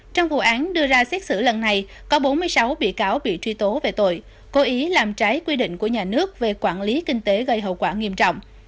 trong vụ án đưa ra xét xử lần này có bốn mươi sáu bị cáo bị truy tố về tội cố ý làm trái quy định của nhà nước về quản lý kinh tế gây hậu quả nghiêm trọng